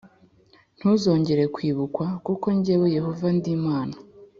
Ntuzongera kwibukwa kuko jyewe yehova ndimana